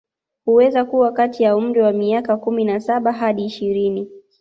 Huweza kuwa kati ya umri wa miaka kumi na saba hadi ishirini